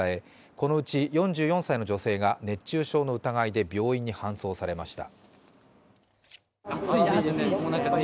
このうち４４歳の女性が熱中症の疑いで病院に搬送されました。